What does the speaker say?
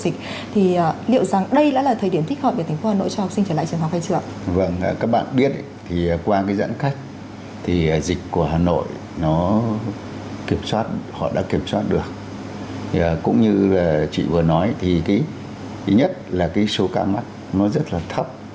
cũng như chị vừa nói thứ nhất là số ca mắc rất là thấp